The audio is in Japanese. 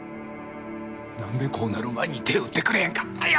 なんで、こうなる前に手打ってくれへんかったんや！